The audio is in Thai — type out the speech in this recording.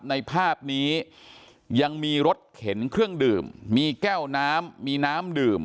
ในภาพนี้ยังมีรถเข็นเครื่องดื่มมีแก้วน้ำมีน้ำดื่ม